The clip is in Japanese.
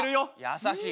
優しい。